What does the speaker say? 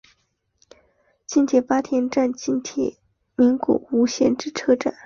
近铁八田站近铁名古屋线之车站。